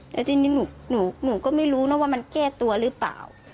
แล้วทีนี้หนูก็ไม่รู้นะว่ามันแก้ตัวหรือเปล่า